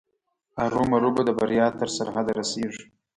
ارومرو به د بریا تر سرحده رسېږي.